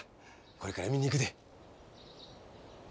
これから見に行くで。